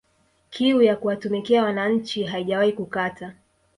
Kiu ya kuwatumikia wananchi haijawahi kukata